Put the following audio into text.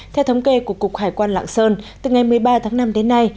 theo thống kê của cục hải quan lạng sơn từ ngày một mươi ba tháng năm đến nay